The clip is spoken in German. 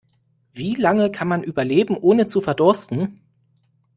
Wie lange kann man überleben, ohne zu verdursten?